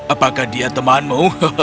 apakah dia temanmu